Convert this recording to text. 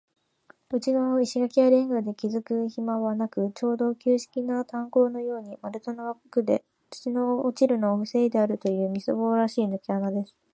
内がわを石がきやレンガできずくひまはなく、ちょうど旧式な炭坑のように、丸太のわくで、土の落ちるのをふせいであるという、みすぼらしいぬけ穴です。